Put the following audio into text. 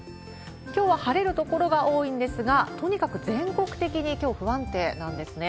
きょうは晴れる所が多いんですが、とにかく全国的にきょう、不安定なんですね。